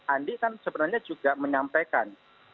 andi kan sebenarnya juga menyampaikan